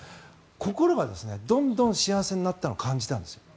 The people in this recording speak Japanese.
心がどんどん幸せになったのを感じたんです。